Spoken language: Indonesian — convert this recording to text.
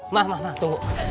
ma ma ma tunggu